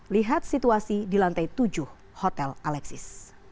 lihat situasi di lantai tujuh hotel alexis